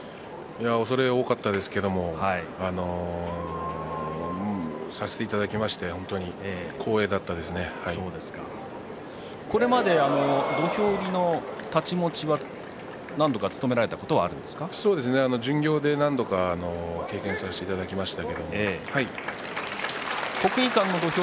恐れ多かったですけどさせていただきましてこれまで土俵入りの太刀持ちは何度か務められたことも巡業で何度か経験させていただきました。